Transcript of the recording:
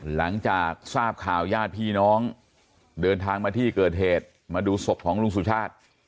หลังจากทราบข่าวญาติพี่น้องเดินทางมาที่เกิดเหตุมาดูศพของลุงสุชาติ